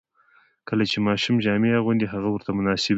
کله چې ماشوم جامې اغوندي، هغه ورته مناسبې وي.